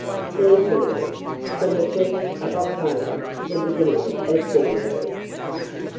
Seasonable from the 1st of October to the beginning of February.